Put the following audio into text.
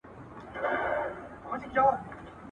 احمد شاه ابدالي د خپلو دوستانو سره څنګه چلند کاوه؟